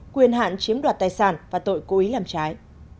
quyền hạn chiếm đoạt tài sản và tội cố ý làm trái